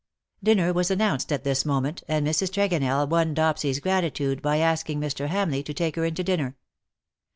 Dinner was announced at this moment, and Mrs. Tregonell won Dopsy^s gratitude by asking Mr. Hamleigh to take her into dinner.